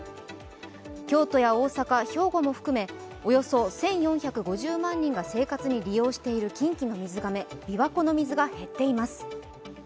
京都や大阪、兵庫も含め生活に利用している近畿の水がめ、琵琶湖の水が減っています。